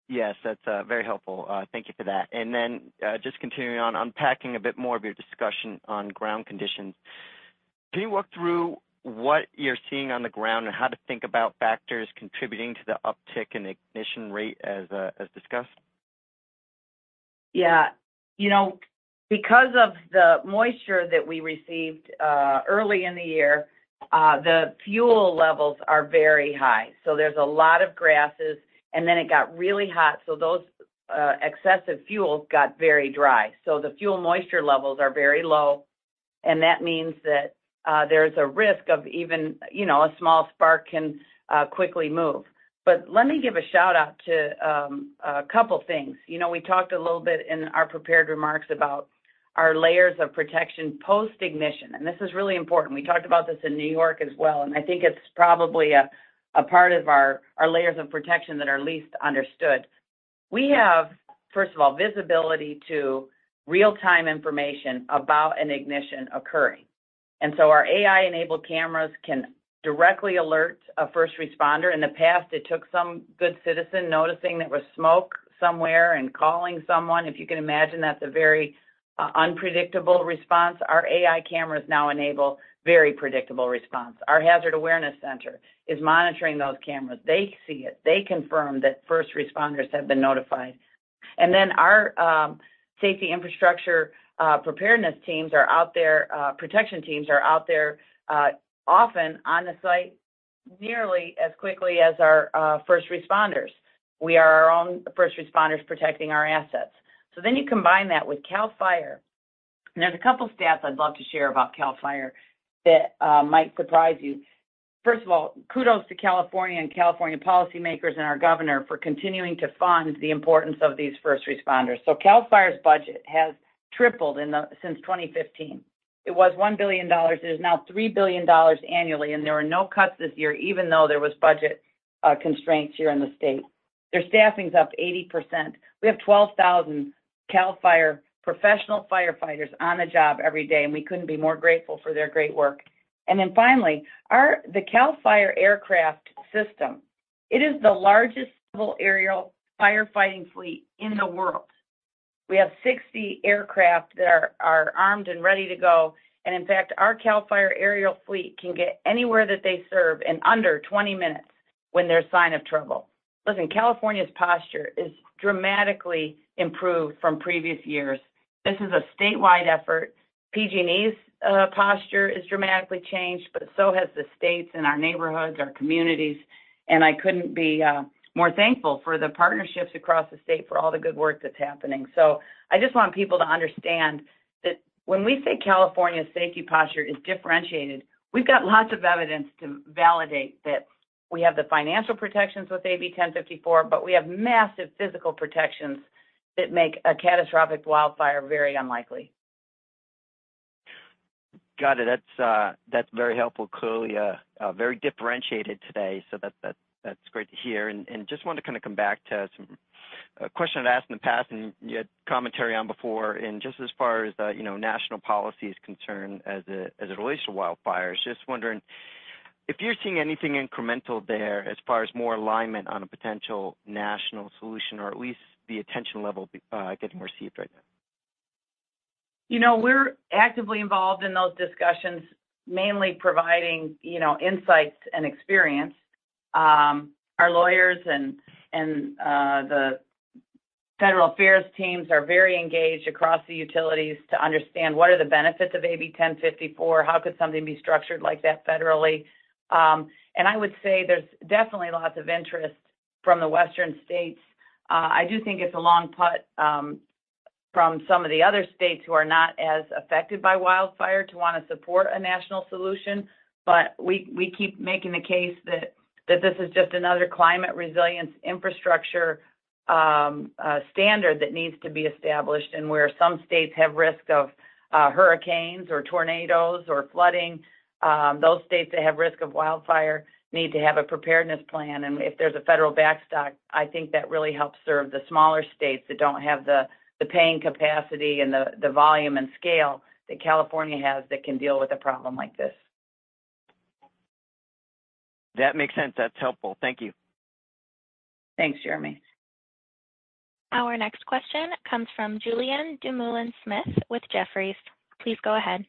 Yes. That's very helpful. Thank you for that. And then just continuing on, unpacking a bit more of your discussion on ground conditions. Can you walk through what you're seeing on the ground and how to think about factors contributing to the uptick in ignition rate as discussed?
Yeah. Because of the moisture that we received early in the year, the fuel levels are very high. So there's a lot of grasses, and then it got really hot. So those excessive fuels got very dry. So the fuel moisture levels are very low, and that means that there's a risk of even a small spark can quickly move. But let me give a shout-out to a couple of things. We talked a little bit in our prepared remarks about our layers of protection post-ignition, and this is really important. We talked about this in New York as well, and I think it's probably a part of our layers of protection that are least understood. We have, first of all, visibility to real-time information about an ignition occurring. And so our AI-enabled cameras can directly alert a first responder. In the past, it took some good citizen noticing there was smoke somewhere and calling someone. If you can imagine, that's a very unpredictable response. Our AI cameras now enable very predictable response. Our Hazard Awareness Center is monitoring those cameras. They see it. They confirm that first responders have been notified. Then our safety infrastructure preparedness teams are out there. Protection teams are out there often on the site nearly as quickly as our first responders. We are our own first responders protecting our assets. Then you combine that with CAL FIRE. There's a couple of stats I'd love to share about CAL FIRE that might surprise you. First of all, kudos to California and California policymakers and our governor for continuing to fund the importance of these first responders. CAL FIRE's budget has tripled since 2015. It was $1 billion. It is now $3 billion annually, and there were no cuts this year, even though there were budget constraints here in the state. Their staffing's up 80%. We have 12,000 CAL FIRE professional firefighters on the job every day, and we couldn't be more grateful for their great work. Then finally, the CAL FIRE aircraft system, it is the largest civil aerial firefighting fleet in the world. We have 60 aircraft that are armed and ready to go. And in fact, our CAL FIRE aerial fleet can get anywhere that they serve in under 20 minutes when there's a sign of trouble. Listen, California's posture is dramatically improved from previous years. This is a statewide effort. PG&E's posture is dramatically changed, but so have the states and our neighborhoods, our communities. I couldn't be more thankful for the partnerships across the state for all the good work that's happening. So I just want people to understand that when we say California's safety posture is differentiated, we've got lots of evidence to validate that we have the financial protections with AB 1054, but we have massive physical protections that make a catastrophic wildfire very unlikely.
Got it. That's very helpful, clearly very differentiated today. So that's great to hear. And just wanted to kind of come back to some questions I've asked in the past and you had commentary on before. And just as far as national policy is concerned as it relates to wildfires, just wondering if you're seeing anything incremental there as far as more alignment on a potential national solution or at least the attention level getting received right now.
We're actively involved in those discussions, mainly providing insights and experience. Our lawyers and the federal affairs teams are very engaged across the utilities to understand what are the benefits of AB 1054? How could something be structured like that federally. I would say there's definitely lots of interest from the western states. I do think it's a long put from some of the other states who are not as affected by wildfire to want to support a national solution. But we keep making the case that this is just another climate resilience infrastructure standard that needs to be established. Where some states have risk of hurricanes or tornadoes or flooding, those states that have risk of wildfire need to have a preparedness plan. If there's a federal backstop, I think that really helps serve the smaller states that don't have the paying capacity and the volume and scale that California has that can deal with a problem like this.
That makes sense. That's helpful. Thank you.
Thanks, Jeremy.
Our next question comes from Julien Dumoulin-Smith with Jefferies. Please go ahead.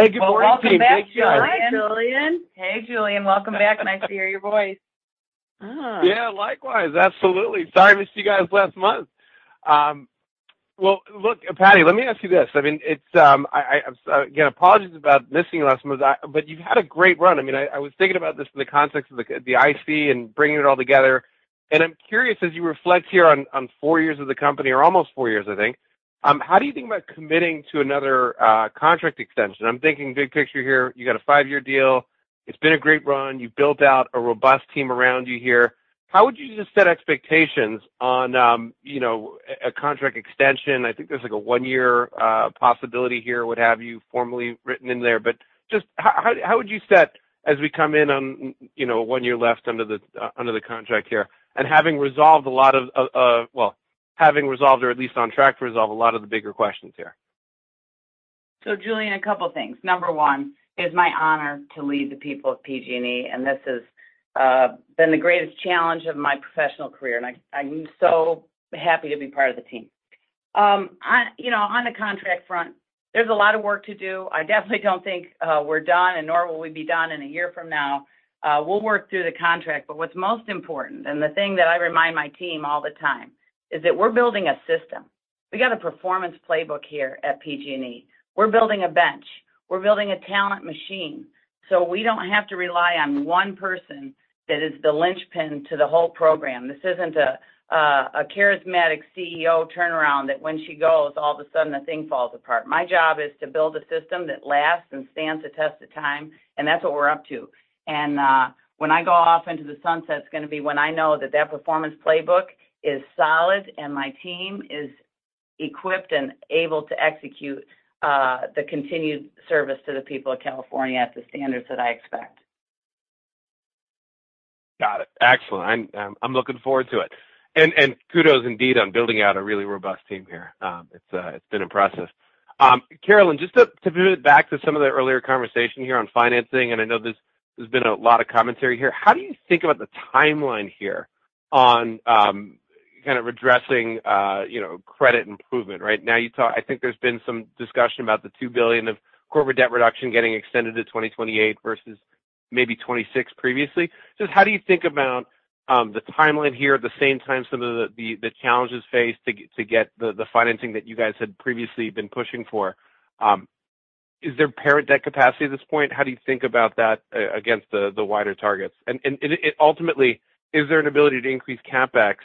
Welcome back, Julien. Hey, Julien. Welcome back. Nice to hear your voice.
Yeah. Likewise. Absolutely. Sorry I missed you guys last month. Well, look, Patti, let me ask you this. I mean, again, apologies about missing you last month, but you've had a great run. I mean, I was thinking about this in the context of the IC and bringing it all together. I'm curious, as you reflect here on 4 years of the company, or almost 4 years, I think, how do you think about committing to another contract extension? I'm thinking big picture here. You got a 5-year deal. It's been a great run. You've built out a robust team around you here. How would you just set expectations on a contract extension? I think there's a 1-year possibility here, what have you, formally written in there. But just how would you set, as we come in on 1 year left under the contract here, and having resolved a lot of, well, having resolved or at least on track to resolve a lot of the bigger questions here?
Julien, a couple of things. Number 1 is my honor to lead the people of PG&E, and this has been the greatest challenge of my professional career. I'm so happy to be part of the team. On the contract front, there's a lot of work to do. I definitely don't think we're done, and nor will we be done in a year from now. We'll work through the contract. What's most important, and the thing that I remind my team all the time, is that we're building a system. We got a Performance Playbook here at PG&E. We're building a bench. We're building a talent machine. So we don't have to rely on one person that is the linchpin to the whole program. This isn't a charismatic CEO turnaround that when she goes, all of a sudden, the thing falls apart. My job is to build a system that lasts and stands the test of time, and that's what we're up to. And when I go off into the sunset, it's going to be when I know that that Performance Playbook is solid and my team is equipped and able to execute the continued service to the people of California at the standards that I expect.
Got it. Excellent. I'm looking forward to it. And kudos indeed on building out a really robust team here. It's been impressive. Carolyn, just to pivot back to some of the earlier conversation here on financing, and I know there's been a lot of commentary here. How do you think about the timeline here on kind of addressing credit improvement? Right now, I think there's been some discussion about the $2 billion of corporate debt reduction getting extended to 2028 versus maybe 2026 previously. Just how do you think about the timeline here, at the same time some of the challenges faced to get the financing that you guys had previously been pushing for? Is there parent debt capacity at this point? How do you think about that against the wider targets? And ultimately, is there an ability to increase CapEx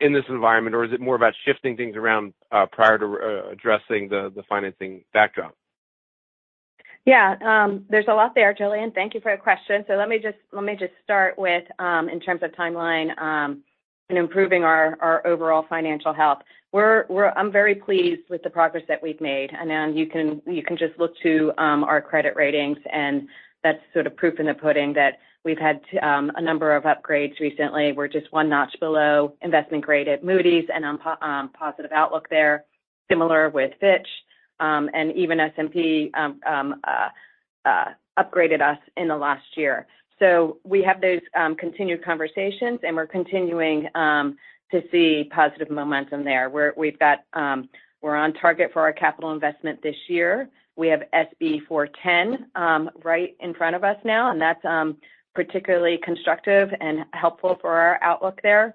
in this environment, or is it more about shifting things around prior to addressing the financing backdrop?
Yeah. There's a lot there, Julian. Thank you for your question. So let me just start with, in terms of timeline, and improving our overall financial health. I'm very pleased with the progress that we've made. And you can just look to our credit ratings, and that's sort of proof in the pudding that we've had a number of upgrades recently. We're just one notch below investment-graded Moody's and on positive outlook there, similar with Fitch. Even S&P upgraded us in the last year. So we have those continued conversations, and we're continuing to see positive momentum there. We're on target for our capital investment this year. We have SB 410 right in front of us now, and that's particularly constructive and helpful for our outlook there.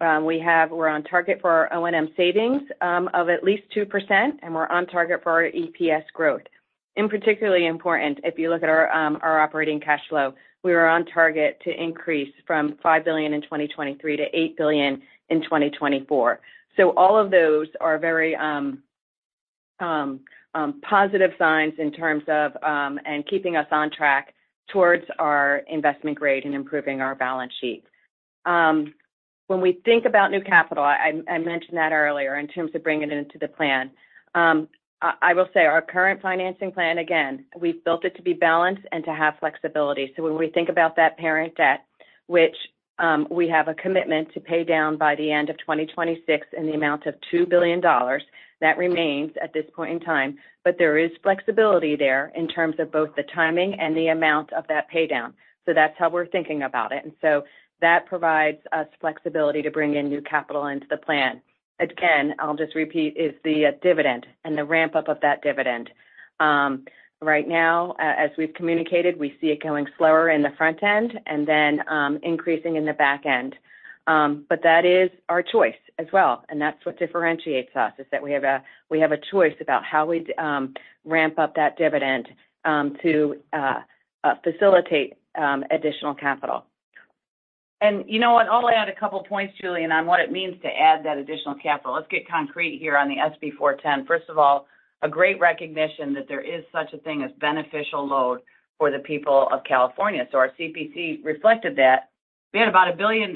We're on target for our O&M savings of at least 2%, and we're on target for our EPS growth. And particularly important, if you look at our operating cash flow, we were on target to increase from $5 billion in 2023 to $8 billion in 2024. So all of those are very positive signs in terms of and keeping us on track towards our investment grade and improving our balance sheet. When we think about new capital, I mentioned that earlier in terms of bringing it into the plan. I will say our current financing plan, again, we've built it to be balanced and to have flexibility. So when we think about that parent debt, which we have a commitment to pay down by the end of 2026 in the amount of $2 billion, that remains at this point in time. But there is flexibility there in terms of both the timing and the amount of that paydown. So that's how we're thinking about it. And so that provides us flexibility to bring in new capital into the plan. Again, I'll just repeat, is the dividend and the ramp-up of that dividend. Right now, as we've communicated, we see it going slower in the front end and then increasing in the back end. But that is our choice as well. That's what differentiates us, is that we have a choice about how we ramp up that dividend to facilitate additional capital.
And you know what? I'll add a couple of points, Julien, on what it means to add that additional capital. Let's get concrete here on the SB 410. First of all, a great recognition that there is such a thing as beneficial load for the people of California. So our CPUC reflected that. We had about $1 billion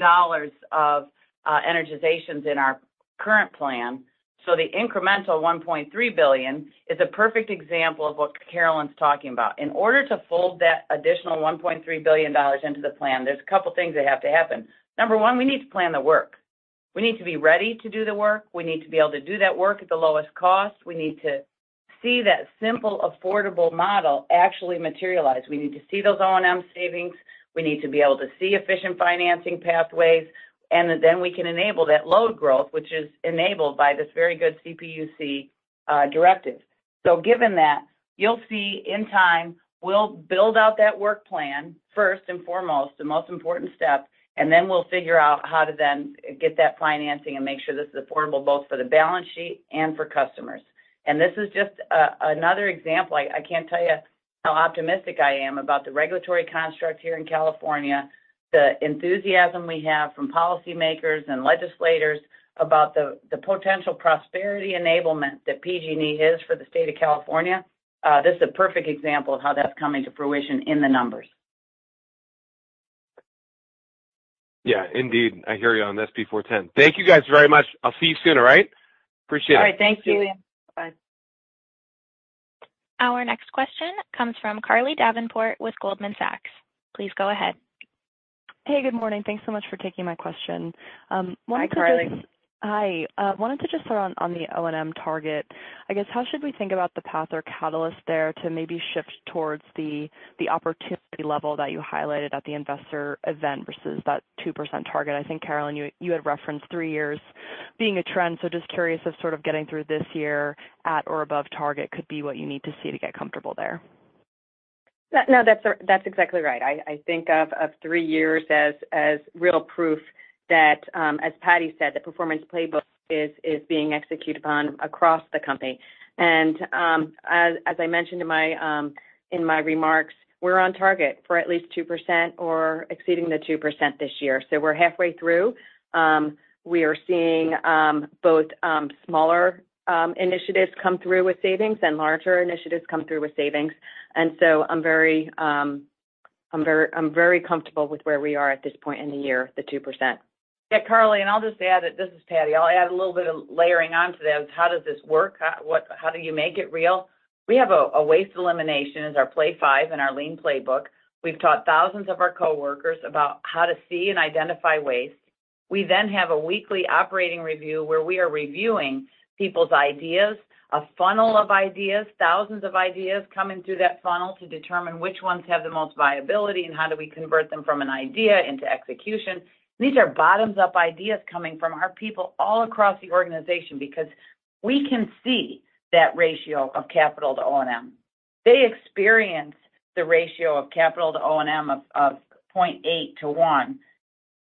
of energizations in our current plan. So the incremental $1.3 billion is a perfect example of what Carolyn's talking about. In order to fold that additional $1.3 billion into the plan, there's a couple of things that have to happen. Number one, we need to plan the work. We need to be ready to do the work. We need to be able to do that work at the lowest cost. We need to see that Simple Affordable Model actually materialize. We need to see those O&M savings. We need to be able to see efficient financing pathways. And then we can enable that load growth, which is enabled by this very good CPUC directive. So given that, you'll see in time we'll build out that work plan first and foremost, the most important step. And then we'll figure out how to then get that financing and make sure this is affordable both for the balance sheet and for customers. And this is just another example. I can't tell you how optimistic I am about the regulatory construct here in California, the enthusiasm we have from policymakers and legislators about the potential prosperity enablement that PG&E has for the state of California. This is a perfect example of how that's coming to fruition in the numbers.
Yeah. Indeed. I hear you on SB 410. Thank you guys very much. I'll see you soon, all right? Appreciate it.
All right. Thanks, Julien. Bye.
Our next question comes from Carly Davenport with Goldman Sachs. Please go ahead.
Hey, good morning. Thanks so much for taking my question. One question.
Hi, Carly.
Hi. I wanted to just throw on the O&M target. I guess, how should we think about the path or catalyst there to maybe shift towards the opportunity level that you highlighted at the investor event versus that 2% target? I think, Carolyn, you had referenced three years being a trend. So just curious if sort of getting through this year at or above target could be what you need to see to get comfortable there.
No, that's exactly right. I think of 3 years as real proof that, as Patti said, the Performance Playbook is being executed upon across the company. And as I mentioned in my remarks, we're on target for at least 2% or exceeding the 2% this year. So we're halfway through. We are seeing both smaller initiatives come through with savings and larger initiatives come through with savings. And so I'm very comfortable with where we are at this point in the year, the 2%.
Yeah, Carly. And I'll just add that this is Patti. I'll add a little bit of layering onto this. How does this work? How do you make it real? We have a Waste Elimination as our play 5 in our Lean Playbook. We've taught thousands of our coworkers about how to see and identify waste. We then have a weekly operating review where we are reviewing people's ideas, a funnel of ideas, thousands of ideas coming through that funnel to determine which ones have the most viability and how do we convert them from an idea into execution. These are bottoms-up ideas coming from our people all across the organization because we can see that ratio of capital to O&M. They experience the ratio of capital to O&M of 0.8-1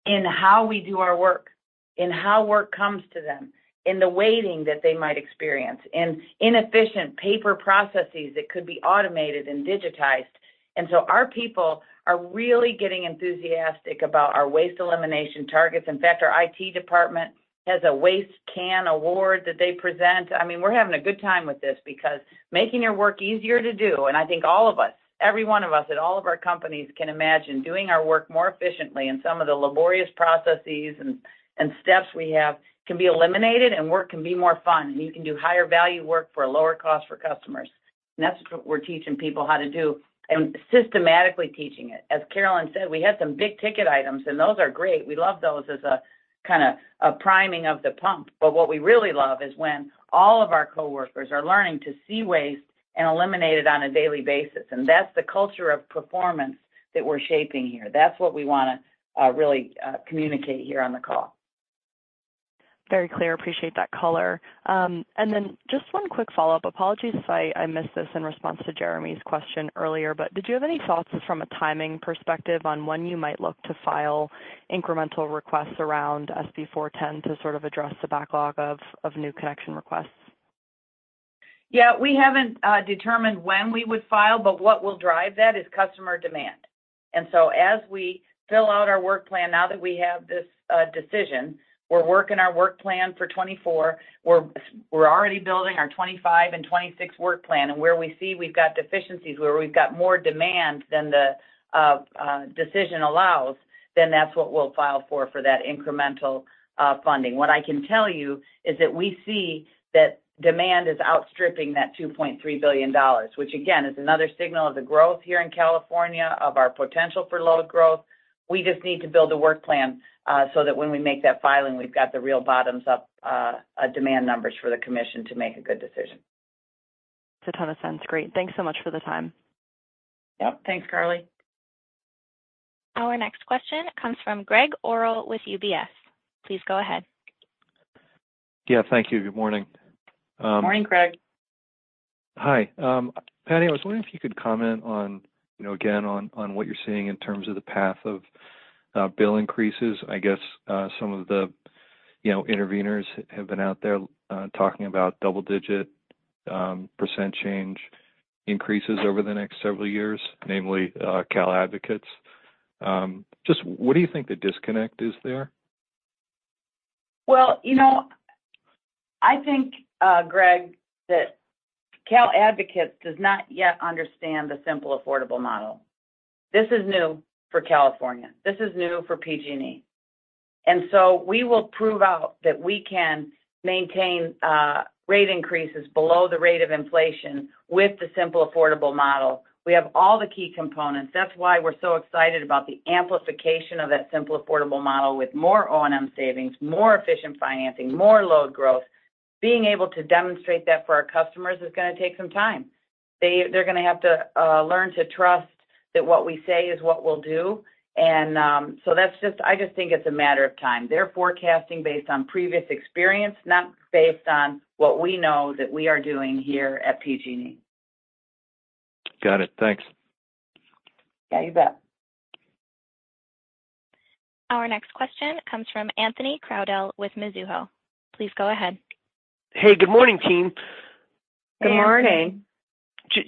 in how we do our work, in how work comes to them, in the waiting that they might experience, in inefficient paper processes that could be automated and digitized. And so our people are really getting enthusiastic about our waste elimination targets. In fact, our IT department has a waste can award that they present. I mean, we're having a good time with this because making your work easier to do, and I think all of us, every one of us at all of our companies can imagine doing our work more efficiently. Some of the laborious processes and steps we have can be eliminated, and work can be more fun. You can do higher value work for a lower cost for customers. That's what we're teaching people how to do. Systematically teaching it. As Carolyn said, we had some big ticket items, and those are great. We love those as a kind of priming of the pump. But what we really love is when all of our coworkers are learning to see waste and eliminate it on a daily basis. That's the culture of performance that we're shaping here. That's what we want to really communicate here on the call.
Very clear. Appreciate that color. And then just one quick follow-up. Apologies if I missed this in response to Jeremy's question earlier, but did you have any thoughts from a timing perspective on when you might look to file incremental requests around SB 410 to sort of address the backlog of new connection requests?
Yeah. We haven't determined when we would file, but what will drive that is customer demand. And so as we fill out our work plan, now that we have this decision, we're working our work plan for 2024. We're already building our 2025 and 2026 work plan. And where we see we've got deficiencies, where we've got more demand than the decision allows, then that's what we'll file for, for that incremental funding. What I can tell you is that we see that demand is outstripping that $2.3 billion, which, again, is another signal of the growth here in California, of our potential for load growth. We just need to build a work plan so that when we make that filing, we've got the real bottoms-up demand numbers for the commission to make a good decision.
That totally sounds great. Thanks so much for the time.
Yep. Thanks, Carly.
Our next question comes from Gregg Orrill with UBS. Please go ahead.
Yeah. Thank you. Good morning.
Good morning, Gregg.
Hi. Patti, I was wondering if you could comment on, again, on what you're seeing in terms of the path of bill increases. I guess some of the intervenors have been out there talking about double-digit % change increases over the next several years, namely Cal Advocates. Just what do you think the disconnect is there?
Well, I think, Gregg, that Cal Advocates does not yet understand the Simple Affordable Model. This is new for California. This is new for PG&E. So we will prove out that we can maintain rate increases below the rate of inflation with the Simple Affordable Model. We have all the key components. That's why we're so excited about the amplification of that Simple Affordable Model with more O&M savings, more efficient financing, more load growth. Being able to demonstrate that for our customers is going to take some time. They're going to have to learn to trust that what we say is what we'll do. So I just think it's a matter of time. They're forecasting based on previous experience, not based on what we know that we are doing here at PG&E.
Got it. Thanks.
Yeah, you bet.
Our next question comes from Anthony Crowdell with Mizuho. Please go ahead.
Hey, good morning, team. Hey, everyone.
Good morning.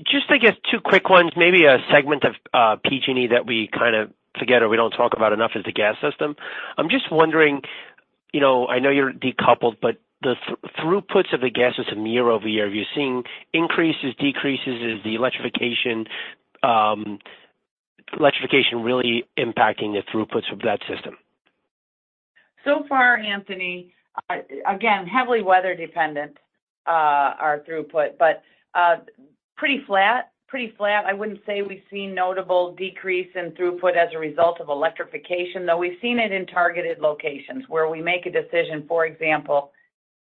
Just, I guess, two quick ones. Maybe a segment of PG&E that we kind of forget or we don't talk about enough is the gas system. I'm just wondering, I know you're decoupled, but the throughputs of the gas system year-over-year, have you seen increases, decreases? Is the electrification really impacting the throughputs of that system?
So far, Anthony, again, heavily weather-dependent, our throughput, but pretty flat. Pretty flat. I wouldn't say we've seen notable decrease in throughput as a result of electrification, though we've seen it in targeted locations where we make a decision. For example,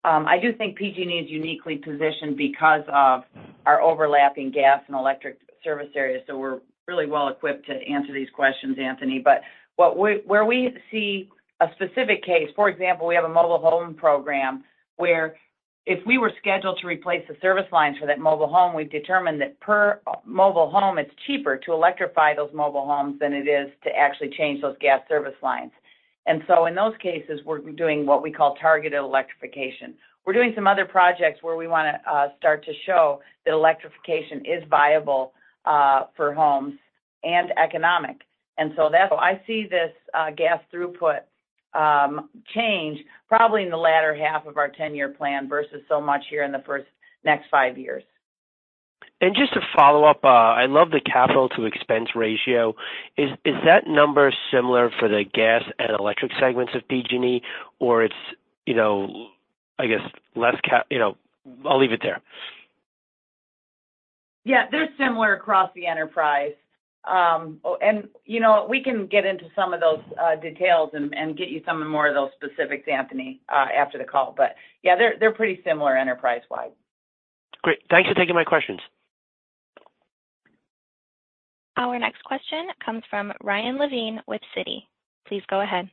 I do think PG&E is uniquely positioned because of our overlapping gas and electric service areas. So we're really well equipped to answer these questions, Anthony. But where we see a specific case, for example, we have a mobile home program where if we were scheduled to replace the service lines for that mobile home, we've determined that per mobile home, it's cheaper to electrify those mobile homes than it is to actually change those gas service lines. And so in those cases, we're doing what we call targeted electrification. We're doing some other projects where we want to start to show that electrification is viable for homes and economic. And so I see this gas throughput change probably in the latter half of our 10-year plan versus so much here in the first next 5 years.
And just to follow up, I love the capital-to-expense ratio. Is that number similar for the gas and electric segments of PG&E, or it's, I guess, less? I'll leave it there.
Yeah. They're similar across the enterprise. And we can get into some of those details and get you some more of those specifics, Anthony, after the call. But yeah, they're pretty similar enterprise-wide.
Great. Thanks for taking my questions.
Our next question comes from Ryan Levine with Citi. Please go ahead.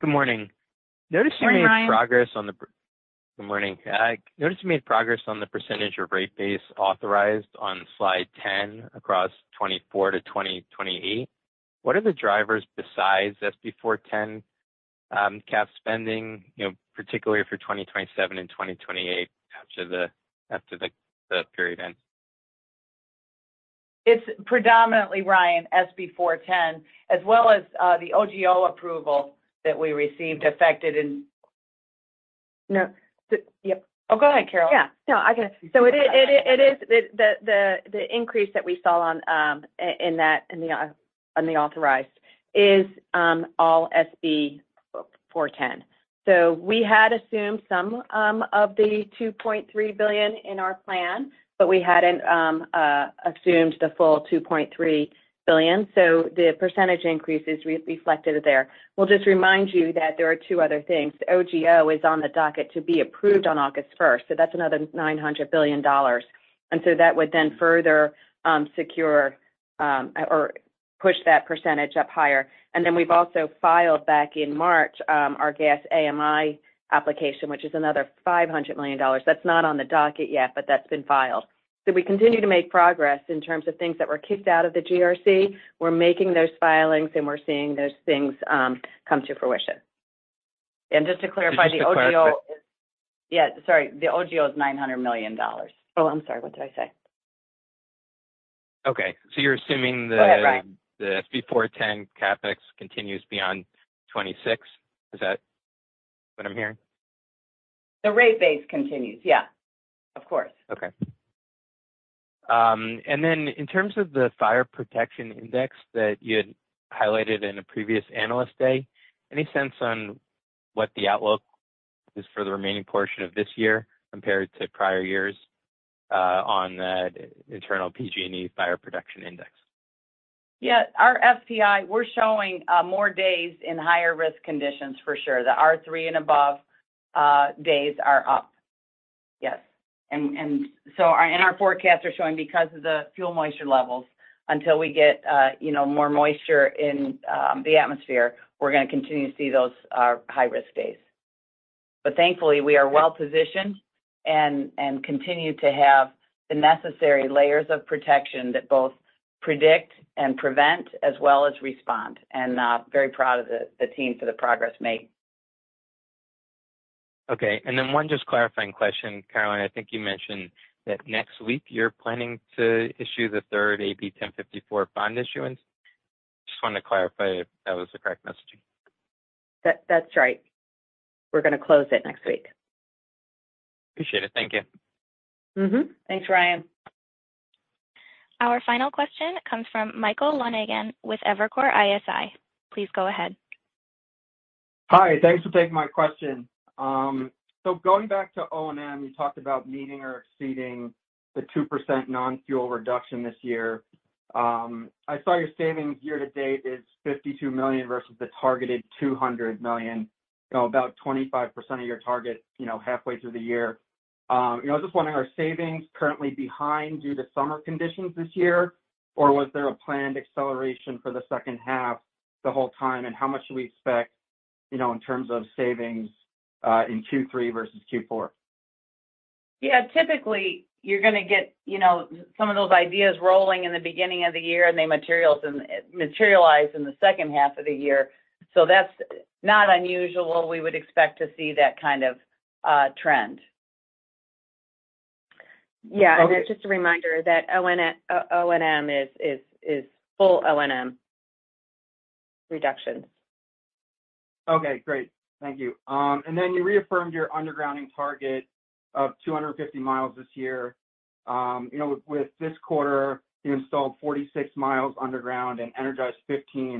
Good morning.
Good morning.
I noticed you made progress on the percentage of rate base authorized on slide 10 across 2024 to 2028. What are the drivers besides SB 410 cap spending, particularly for 2027 and 2028 after the period ends?
It's predominantly, Ryan, SB 410, as well as the OGO approval that we received affected in. No. Yep. Oh, go ahead, Carol.
Yeah. No, I can. So it is the increase that we saw in that and the authorized is all SB 410. So we had assumed some of the $2.3 billion in our plan, but we hadn't assumed the full $2.3 billion. So the percentage increase is reflected there. We'll just remind you that there are two other things. The OGO is on the docket to be approved on August 1st. So that's another $900 billion. And so that would then further secure or push that percentage up higher. And then we've also filed back in March our gas AMI application, which is another $500 million. That's not on the docket yet, but that's been filed. So we continue to make progress in terms of things that were kicked out of the GRC. We're making those filings, and we're seeing those things come to fruition.
And just to clarify, the OGO is. Yeah. Sorry. The OGO is $900 million. Oh, I'm sorry. What did I say?
Okay. So you're assuming the SB 410 CapEx continues beyond 2026? Is that what I'm hearing?
The rate base continues. Yeah. Of course.
Okay. And then in terms of the Fire Potential Index that you had highlighted in a previous analyst day, any sense on what the outlook is for the remaining portion of this year compared to prior years on that internal PG&E Fire Potential Index?
Yeah. Our FPI, we're showing more days in higher risk conditions for sure. The R3 and above days are up. Yes. And so our forecasts are showing because of the fuel moisture levels, until we get more moisture in the atmosphere, we're going to continue to see those high-risk days. But thankfully, we are well-positioned and continue to have the necessary layers of protection that both predict and prevent as well as respond. And very proud of the team for the progress made.
Okay. And then one just clarifying question, Carolyn. I think you mentioned that next week you're planning to issue the third AB 1054 bond issuance. Just wanted to clarify if that was the correct messaging.
That's right. We're going to close it next week.
Appreciate it. Thank you.
Thanks, Ryan.
Our final question comes from Michael Lonegan with Evercore ISI. Please go ahead.
Hi. Thanks for taking my question. So going back to O&M, you talked about meeting or exceeding the 2% non-fuel reduction this year. I saw your savings year to date is $52 million versus the targeted $200 million, about 25% of your target halfway through the year. I was just wondering, are savings currently behind due to summer conditions this year, or was there a planned acceleration for the second half the whole time, and how much do we expect in terms of savings in Q3 versus Q4?
Yeah. Typically, you're going to get some of those ideas rolling in the beginning of the year, and they materialize in the second half of the year. So that's not unusual. We would expect to see that kind of trend.
Yeah. And just a reminder that O&M is full O&M reductions.
Okay. Great. Thank you. And then you reaffirmed your undergrounding target of 250 mi this year. With this quarter, you installed 46 mi underground and energized 15 mi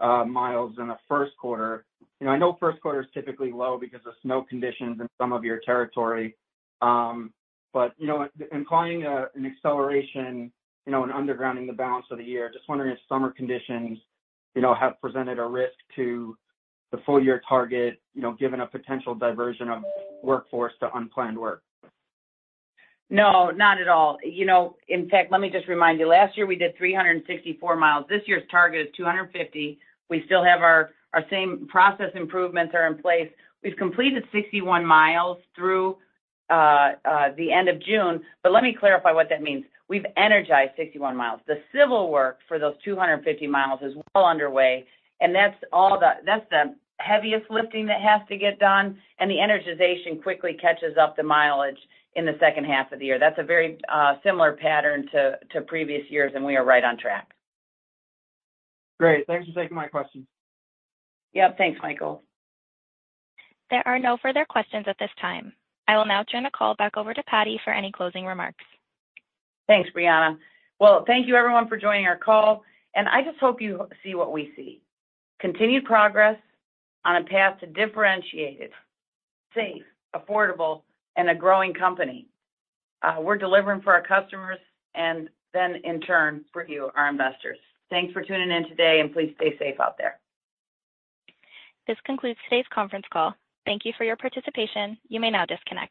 in the first quarter. I know first quarter is typically low because of snow conditions in some of your territory. But implying an acceleration in undergrounding the balance of the year, just wondering if summer conditions have presented a risk to the full-year target given a potential diversion of workforce to unplanned work.
No, not at all. In fact, let me just remind you, last year we did 364 mi. This year's target is 250. We still have our same process improvements that are in place. We've completed 61 mi through the end of June. But let me clarify what that means. We've energized 61 mi. The civil work for those 250 mi is well underway. That's the heaviest lifting that has to get done. The energization quickly catches up the mileage in the second half of the year. That's a very similar pattern to previous years, and we are right on track.
Great. Thanks for taking my questions.
Yep. Thanks, Michael.
There are no further questions at this time. I will now turn the call back over to Patti for any closing remarks.
Thanks, Brianna. Well, thank you, everyone, for joining our call. I just hope you see what we see. Continued progress on a path to differentiated, safe, affordable, and a growing company. We're delivering for our customers and then, in turn, for you, our investors. Thanks for tuning in today, and please stay safe out there.
This concludes today's conference call. Thank you for your participation. You may now disconnect.